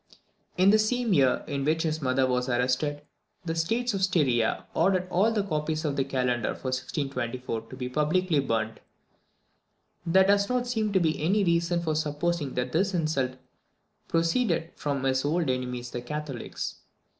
In the same year in which his mother was arrested, the States of Styria ordered all the copies of the Kalendar for 1624 to be publicly burnt. There does not seem to be any reason for supposing that this insult proceeded from his old enemies the Catholics.